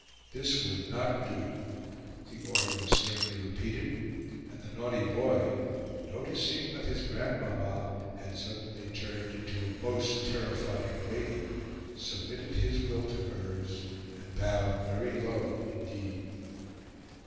This would not do: the order was sternly repeated, and the naughty boy, noticing that his grandmama had suddenly turned into a most terrifying lady, submitted his will to hers, and bowed very low indeed.